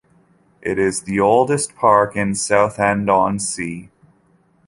It is the oldest park in Southend-on-Sea.